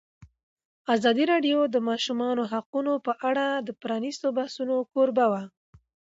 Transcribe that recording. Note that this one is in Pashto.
ازادي راډیو د د ماشومانو حقونه په اړه د پرانیستو بحثونو کوربه وه.